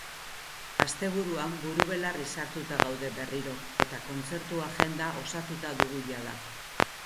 Asteburuan buru belarri sartuta gaude berriro, eta kontzertu agenda osatuta dugu jada.